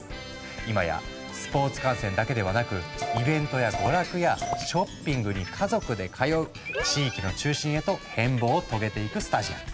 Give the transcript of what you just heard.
今やスポーツ観戦だけではなくイベントや娯楽やショッピングに家族で通う地域の中心へと変貌を遂げていくスタジアム。